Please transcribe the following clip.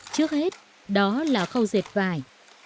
trước hết đó là khâu dệt vải